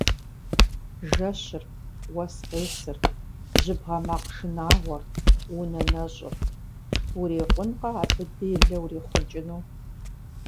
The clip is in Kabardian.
Жэщыр, уэс къесыр, жьыбгъэ макъ шынагъуэр, унэ нэщӏыр – урикъункъэ абы делэ урихъукӏыну!